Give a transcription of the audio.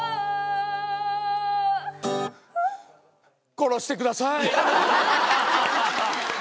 殺してください。